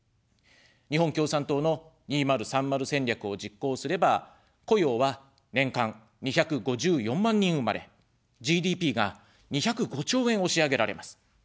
「日本共産党の２０３０戦略」を実行すれば、雇用は年間２５４万人生まれ、ＧＤＰが２０５兆円押し上げられます。